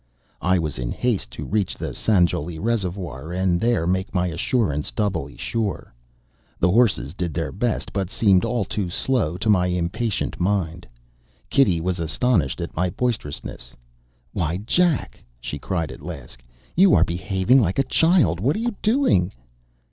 I was in haste to reach the Sanjowlie Reservoir and there make my assurance doubly sure. The horses did their best, but seemed all too slow to my impatient mind. Kitty was astonished at my boisterousness. "Why, Jack!" she cried at last, "you are behaving like a child. What are you doing?"